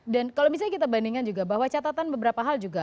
dan kalau misalnya kita bandingkan juga bahwa catatan beberapa hal juga